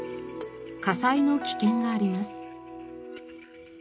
火災の危険があります。